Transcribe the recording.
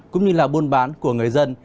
cũng như là buôn bán của người dân